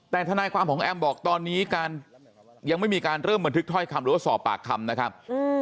แต่ทนายความของแอมบอกตอนนี้การยังไม่มีการเริ่มบันทึกถ้อยคำหรือว่าสอบปากคำนะครับ